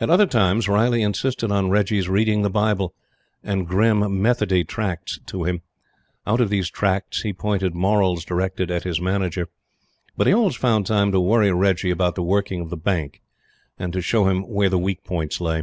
At other times Riley insisted on Reggie's reading the Bible and grim "Methody" tracts to him. Out of these tracts he pointed morals directed at his Manager. But he always found time to worry Reggie about the working of the Bank, and to show him where the weak points lay.